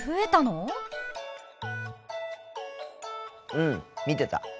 うん見てた。